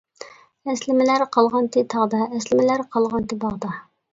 ئەسلىمىلەر قالغانتى تاغدا، ئەسلىمىلەر قالغانتى باغدا.